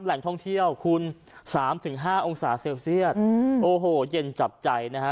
แหล่งท่องเที่ยวคุณ๓๕องศาเซลเซียตโอ้โหเย็นจับใจนะฮะ